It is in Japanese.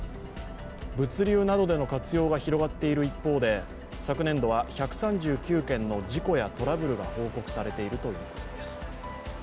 物流などでの活用が広がっている一方で昨年度は１３９件の事故やトラブルが報告されているということです。